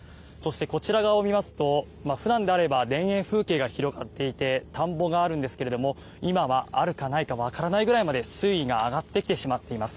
こちらを見ますと普段だと田園風景が広がっていて田んぼがあるんですが今はあるかないかわからないくらいまで水位が上がってきてしまっています。